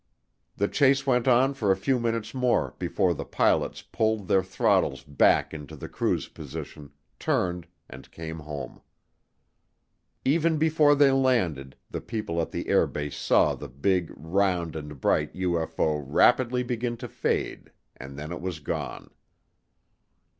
The chase went on for a few minutes more before the pilots pulled their throttles back into the cruise position, turned, and came home. Even before they landed, the people at the airbase saw the big, round and bright UFO rapidly begin to fade and then it was gone.